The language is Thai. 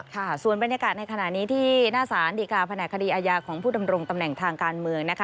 ค่ะส่วนบรรยากาศในขณะนี้ที่หน้าสารดีการแผนกคดีอาญาของผู้ดำรงตำแหน่งทางการเมืองนะคะ